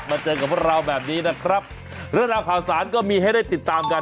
เจอกับพวกเราแบบนี้นะครับเรื่องราวข่าวสารก็มีให้ได้ติดตามกัน